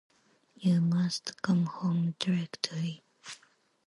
You must come home directly.